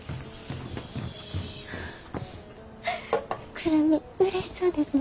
久留美うれしそうですね。